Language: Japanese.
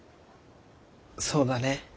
そうだね。